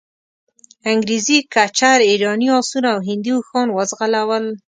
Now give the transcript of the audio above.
انګریزي کچر، ایراني آسونه او هندي اوښان وځغلول.